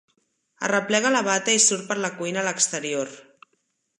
Arreplega la bata i surt per la cuina a l'exterior.